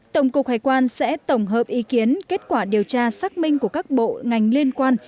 tổng cục hải quan sẽ tổng hợp ý kiến kết quả điều tra xác minh của các bộ ngành liên quan